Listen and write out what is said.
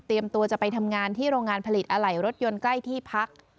ตัวจะไปทำงานที่โรงงานผลิตอะไหล่รถยนต์ใกล้ที่พัก